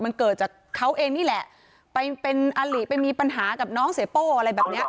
มันเกิดจากเขาเองนี่แหละไปเป็นอลิไปมีปัญหากับน้องเสียโป้อะไรแบบเนี้ย